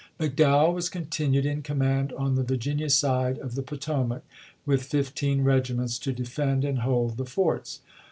McDowell was continued in command on the Vir ginia side of the Potomac, with fifteen regiments to defend and hold the forts.